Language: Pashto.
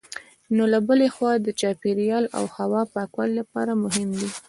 نو له بلې خوا د چاپېریال او هوا پاکوالي لپاره مهم دي.